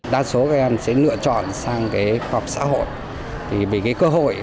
đa số các em sẽ lựa chọn sang khoa học xã hội